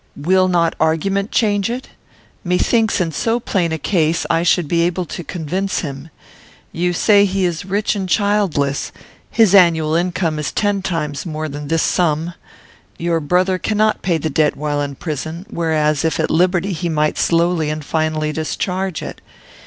"Will not argument change it? Methinks in so plain a case I should be able to convince him. You say he is rich and childless. His annual income is ten times more than this sum. Your brother cannot pay the debt while in prison; whereas, if at liberty, he might slowly and finally discharge it.